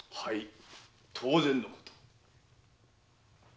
当然のこと。